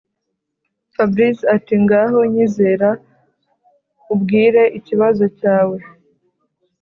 fabric ati”ngaho nyizera ubwire ikibazo cyawe